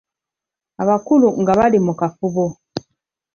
Abakulu nga bali mu kafubo.